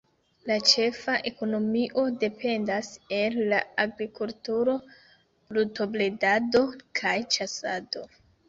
La ĉefa ekonomio dependas el la agrikulturo, brutobredado kaj ĉasado.